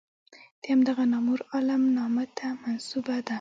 د همدغه نامور عالم نامه ته منسوبه ده.